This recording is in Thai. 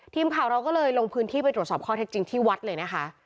ทีมข่าวเราก็เลยลงพื้นที่ไปตรวจสอบข้อเท็จจริงที่วัดเลยนะคะ